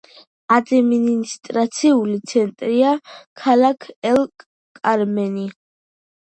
ადმინისტრაციული ცენტრია ქალაქი ელ-კარმენი.